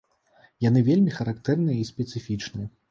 Яны вельмі характэрныя і спецыфічныя.